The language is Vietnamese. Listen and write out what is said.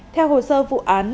theo hồ sơ vụ án